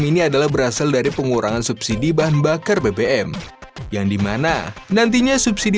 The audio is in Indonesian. ini adalah berasal dari pengurangan subsidi bahan bakar bbm yang dimana nantinya subsidi